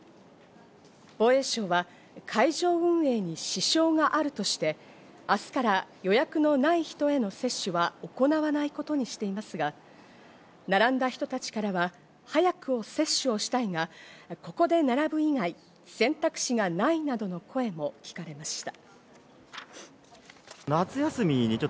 防衛省は会場運営に支障があるとして、明日から予約のない人への接種は行わないことにしていますが、並んだ人たちからは、早く接種をしたいが、ここで並ぶ以外、選択肢がないなどの声も聞かれました。